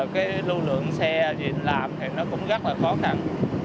cái lưu lượng xe về làm thì nó cũng rất là khó khăn